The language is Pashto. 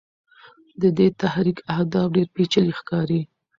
د دې تحریک اهداف ډېر پېچلي ښکاري.